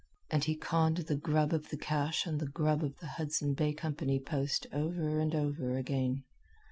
And he conned the grub of the cache and the grub of the Hudson Bay Company post over and over again.